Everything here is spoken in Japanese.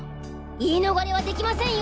言い逃れはできませんよ